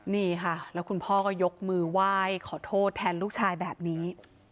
นี่ค่ะแล้วคุณพ่อก็ยกมือไหว้ขอโทษแทนลูกชายแบบนี้